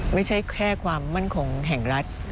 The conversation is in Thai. ไม่ใช่แค่ความมั่นคงแห่งรัฐ